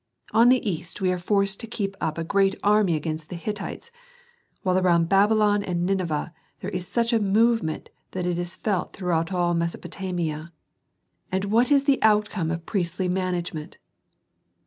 On the east we are forced to keep up a great army against the Hittites, while around Babylon and Nineveh there is such a movement that it is felt throughout all Mesopotamia. "And what is the outcome of priestly management?